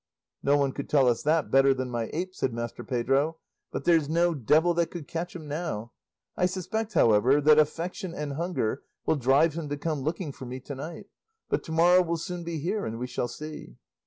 "No one could tell us that better than my ape," said Master Pedro; "but there's no devil that could catch him now; I suspect, however, that affection and hunger will drive him to come looking for me to night; but to morrow will soon be here and we shall see."